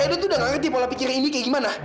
saya tuh udah gak ngerti pola pikir ini kayak gimana